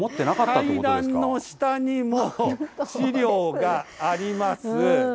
階段の下にも資料があります。